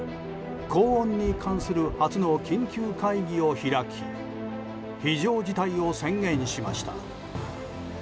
高温に関する初の緊急会議を開き非常事態を宣言しました。